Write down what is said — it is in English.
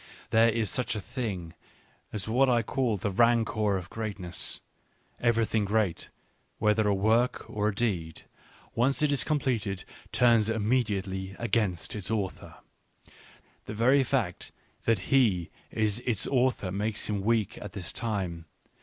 There is such a thing as what I call the rancour of greatness : every thing great, whether a work or a deed, .once it is com pleted, turns immediately against its author. The very fact that he is its author makes him weak at this time.